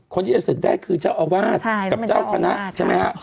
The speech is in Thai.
คนที่จะศึกได้คือเจ้าอาวาสกับเจ้าคณะใช่ไหมฮะ